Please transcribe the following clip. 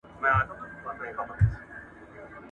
ناروغي ازموینه ده.